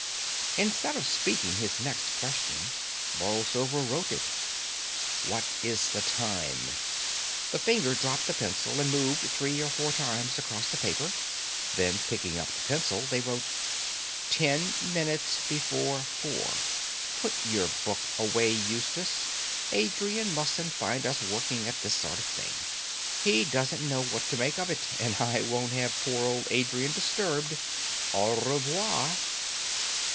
Instead of speaking his next question, Borlsover wrote it. "What is the time?" The fingers dropped the pencil and moved three or four times across the paper. Then, picking up the pencil, they wrote: "Ten minutes before four. Put your book away, Eustace. Adrian mustn't find us working at this sort of thing. He doesn't know what to make of it, and I won't have poor old Adrian disturbed. Au revoir."